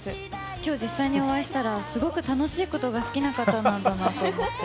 きょう実際にお会いしたら、すごく楽しいことが好きな方なんだなと思って。